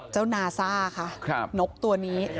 นาซ่าค่ะนกตัวนี้